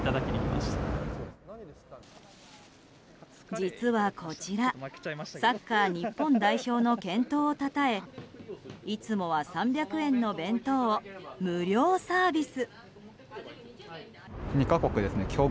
実はこちらサッカー日本代表の健闘をたたえいつもは３００円の弁当を無料サービス。